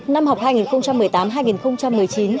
năm học hai nghìn một mươi tám hai nghìn một mươi chín